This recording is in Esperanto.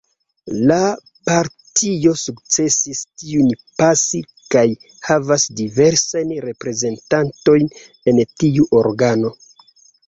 La partio sukcesis tiun pasi kaj havas diversajn reprezentantojn en tiu organo.